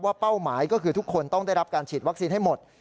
เป้าหมายก็คือทุกคนต้องได้รับการฉีดวัคซีนให้หมด